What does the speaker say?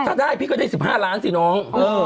ถ้าได้พี่ก็ได้๑๕ล้านสิน้อง